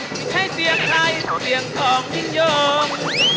ไม่ใช่เสียงใครเสียงของยิ่งย่อง